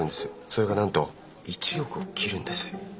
それがなんと１億を切るんです。